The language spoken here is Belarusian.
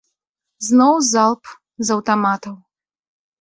Зноў залп з аўтаматаў.